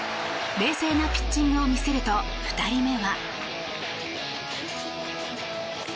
冷静なピッチングを見せると２人目は。